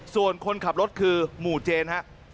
ส่วนคนขับรถคือหมู่เจนฮะ